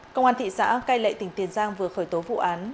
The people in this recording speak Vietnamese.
công an thị xã cai lệ tỉnh tiền giang vừa khởi tố vụ án